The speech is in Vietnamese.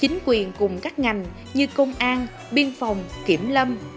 chính quyền cùng các ngành như công an biên phòng kiểm lâm